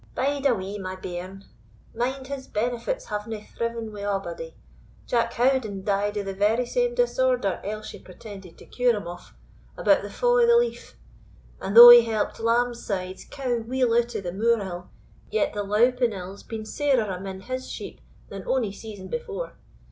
"Bide a wee, my bairn; mind his benefits havena thriven wi' a'body. Jock Howden died o' the very same disorder Elshie pretended to cure him of, about the fa' o' the leaf; and though he helped Lambside's cow weel out o' the moor ill, yet the louping ill's been sairer amane; his sheep than ony season before.